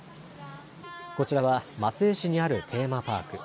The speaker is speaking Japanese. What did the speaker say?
こちらは松江市にあるテーマパーク。